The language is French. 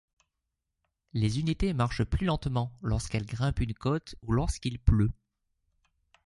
Les unités marchent plus lentement lorsqu'elles grimpent une côte ou lorsqu'il pleut.